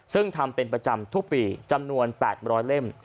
ซึ่งทำเป็นประจำทุกปีจำนวน๘๐๐เล่ม